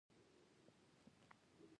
په دې خیال کې نه یو چې په هر ساعت کې.